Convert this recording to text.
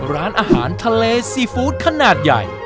ร้านอาหารทะเลซีฟู้ดขนาดใหญ่